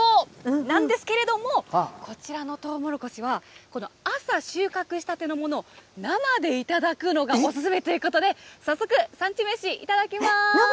なんですけれども、こちらのとうもろこしは、この朝収穫したてのものを生で頂くのがお勧めということで、早速、えっ、生？